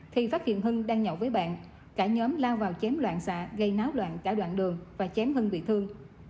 thì phát hiện hưng đang nhậu với bạn cả nhóm lao vào chém loạn xạ gây náo loạn cả đoạn đường và chém hưng bị thương